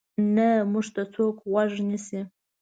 نه موږ ته څوک غوږ نیسي.